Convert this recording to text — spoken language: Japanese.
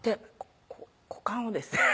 股間をですね